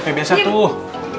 kayak biasa tuh